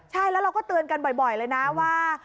ใช่แล้วเราก็เตือนกันบ่อยเลยนะว่า